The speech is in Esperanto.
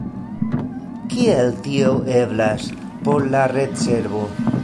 Kiel tio eblas, por la retservo?